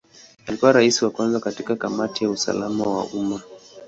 Alikuwa Rais wa kwanza katika Kamati ya usalama wa umma.